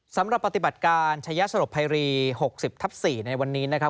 สำหรับปฏิบัติการชายสลบภัยรี๖๐ทับ๔ในวันนี้นะครับ